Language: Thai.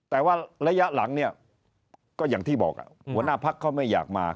แต่ว่าระยะหลังเนี่ยก็อย่างที่บอกหัวหน้าพักเขาไม่อยากมา